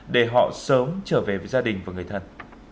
để họ sớm trở về với gia đình và người thân